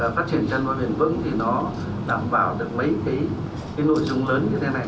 vì chăn nuôi huyền vững thì nó đảm bảo được mấy cái nội dung lớn như thế này